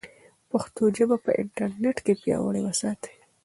پښتو ژبه په انټرنیټ کې پیاوړې وساتئ.